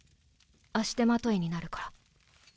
足手まといになるから。